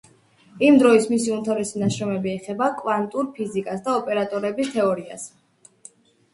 იმ დროის მისი უმთავრესი ნაშრომები ეხება კვანტურ ფიზიკას და ოპერატორების თეორიას.